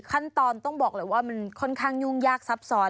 ขั้นตอนต้องบอกเลยว่ามันค่อนข้างยุ่งยากซับซ้อน